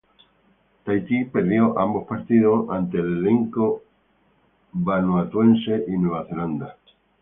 Tahití perdió ambos partidos ante el elenco vanuatuense y Nueva Zelanda.